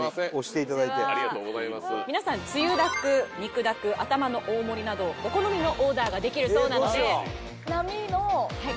皆さんつゆだく肉だくアタマの大盛などお好みのオーダーができるそうなので。